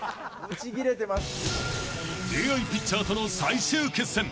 ［ＡＩピッチャーとの最終決戦］